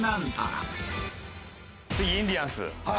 次インディアンス。